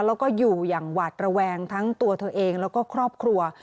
แล้วก็อยู่อย่างหวาดระแวงทั้งตัวเธอเองแล้วก็ครอบครัว